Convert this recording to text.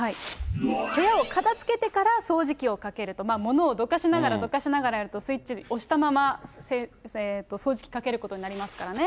部屋を片づけてから掃除機をかけると、物をどかしながらどかしながらやると、スイッチ押したまま掃除機かけることになりますからね。